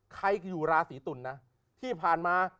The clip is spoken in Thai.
ใครอยู่ราศีตุลนะที่ผ่านมา